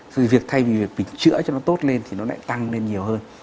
thì việc thay vì việc mình chữa cho nó tốt lên thì nó lại tăng lên nhiều hơn